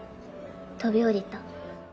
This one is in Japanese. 飛び降りた。